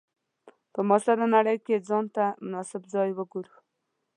په معاصره نړۍ کې ځان ته مناسب ځای وګورو.